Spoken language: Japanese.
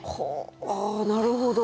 なるほど。